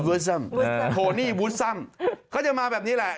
กบ๊วยโทนี่วุดซ่ำเขาจะมาแบบนี้แหละ